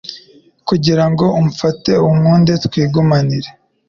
kugira ngo umfate unkunde twigumanire